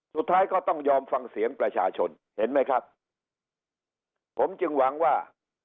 สุดท้ายก็ต้องยอมฟังเสียงประชาชนเห็นไหมครับผมจึงหวังว่า